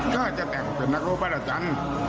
ก็จะแต่งเป็นนักรบบางรจัน